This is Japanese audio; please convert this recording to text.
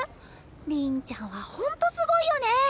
りんちゃんはホントすごいよね！